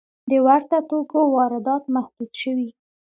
د ورته توکو واردات محدود شوي؟